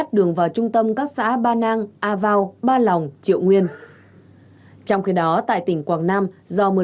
rời vào trung tâm các xã ba nang a vào ba lòng triệu nguyên trong khi đó tại tỉnh quảng nam do mưa